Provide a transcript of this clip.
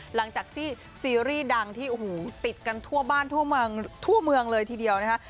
หลังจากที่ซีรีส์ดังที่โอ้โหติดกันทั่วบ้านทั่วเมืองทั่วเมืองเลยทีเดียวนะคะ